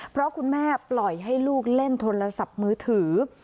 เพราะคุณแม่ปล่อยให้ลูกเล่นโทรศัพท์มือถือ